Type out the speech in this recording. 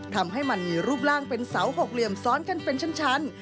ทำให้มันมีรูปร่างเป็นเสาหกเหลี่ยมซ้อนกันเป็นชั้น